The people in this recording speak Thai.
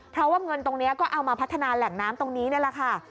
เพราะว่าเงินตรงนี้ก็เอามาพัฒนาแหล่งน้ำตรงนี้นี่แหละค่ะ